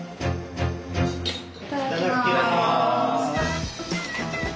いただきます。